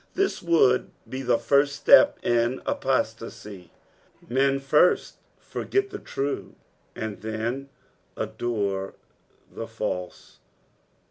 '''' This would be the first atep in apustncy ; men first forget the true, and then adorn the false.